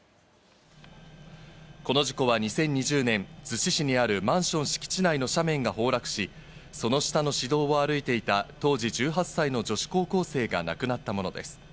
この事件は２０２０年、逗子市にあるマンション敷地内の斜面が崩落し、その下の市道を歩いていた当時１８歳の女子高校生が亡くなったものです。